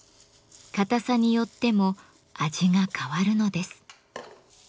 硬さによっても味が変わるのです。